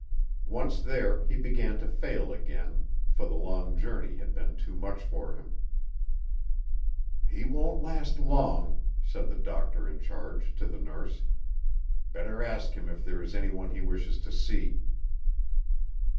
Once there, he began to fail again, for the long journey had been too much for him. "He won't last long," said the doctor in charge to the nurse. "Better ask him if there is any one he wishes to see."